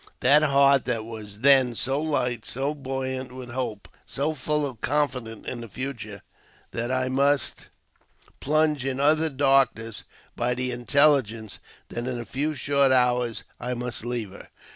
That heart that was then so light, so buoyant with hope, so full of confidence in the future, that I must plunge in utter darkness by the intelligence that in a few short hours I must leave her